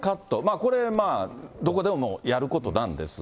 これどこでもやることなんですが。